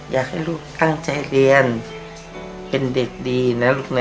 อยากให้ลูกตั้งใจเรียนเป็นเด็กดีนะลูกนะ